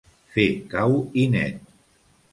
Fer cau i net.